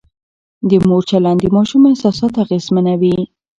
د مور چلند د ماشوم احساسات اغېزمنوي.